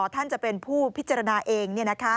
ท่านจะเป็นผู้พิจารณาเอง